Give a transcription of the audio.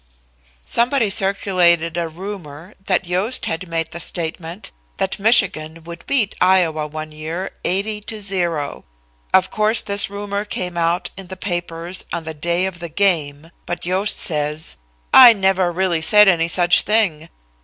Somebody circulated a rumor that Yost had made the statement that Michigan would beat Iowa one year 80 to 0. Of course, this rumor came out in the papers on the day of the game, but Yost says: "I never really said any such thing.